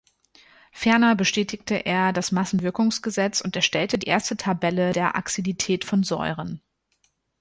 Ferner bestätigte er das Massenwirkungsgesetz und erstellte die erste Tabelle der Acidität von Säuren.